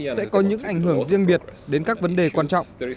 sẽ có những ảnh hưởng riêng biệt đến các vấn đề quan trọng